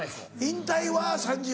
引退は３０。